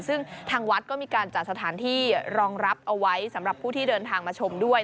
ซึ่งทางวัดก็มีการจัดสถานที่รองรับเอาไว้สำหรับผู้ที่เดินทางมาชมด้วย